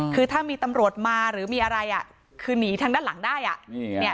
คือถ้ามีตำรวจมาหรือมีอะไรคือหนีทางด้านหลังได้อ่ะ